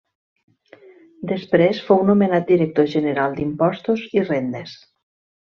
Després fou nomenat director general d'impostos i rendes.